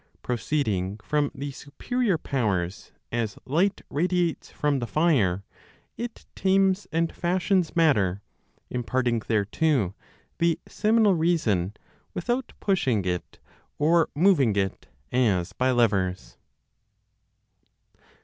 Proceeding from the superior powers as light radiates from the fire, it tames and fashions matter, imparting thereto the seminal reason without pushing it, or moving it as by levers.